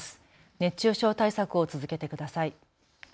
熱中症対策を続けてください。